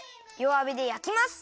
わびでやきます。